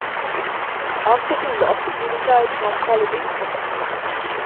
After he lost, he retired from politics.